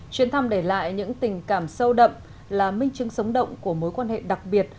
chuyến thăm để lại những tình cảm sâu đậm là minh chứng sống động của mối quan hệ đặc biệt